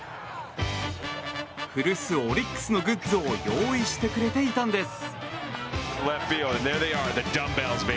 古巣、オリックスのグッズを用意してくれていたんです。